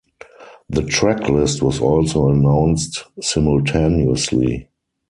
The track list was also announced simultaneously.